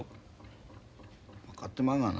分かってまんがな。